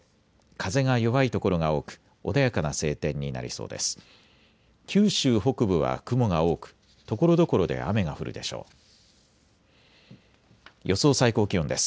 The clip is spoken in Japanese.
風が弱い所が多く穏やかな晴天になりそうです。